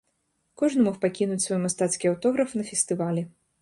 Кожны мог пакінуць свой мастацкі аўтограф на фестывалі.